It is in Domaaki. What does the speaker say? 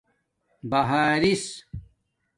بہارس